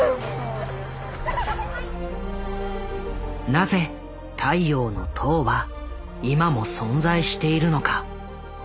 なぜ「太陽の塔」は今も存在しているのか。